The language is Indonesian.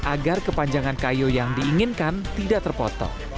agar kepanjangan kayu yang diinginkan tidak terpotong